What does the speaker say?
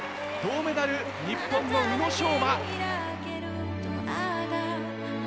銅メダル、日本の宇野昌磨。